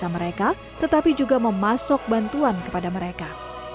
mereka juga memasang bantuan kepada mereka